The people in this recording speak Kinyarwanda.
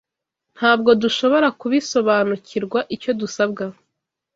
Ntabwo dushobora kubisobanukirwa icyo dusabwa